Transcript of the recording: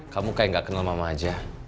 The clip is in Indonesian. kamu kayak gak kenal mama aja